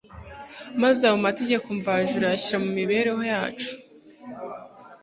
maze ayo mategeko mvajuru iyashyira mu mibereho yacu